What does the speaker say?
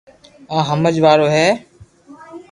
آ ھمج وارو ھي